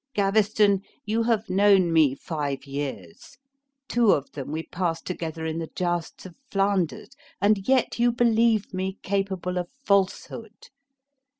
Gaveston, you have known me five years; two of them we passed together in the jousts of Flanders, and yet you believe me capable of falsehood!